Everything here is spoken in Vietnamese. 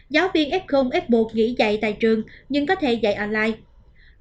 giáo viên f f một nghỉ dạy tại trường nhưng có thể dạy online